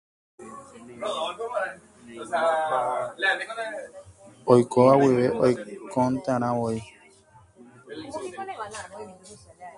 Oikóva guive oikonte'arãvoi